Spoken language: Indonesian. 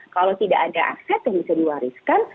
kalau tidak ada aset yang bisa diwariskan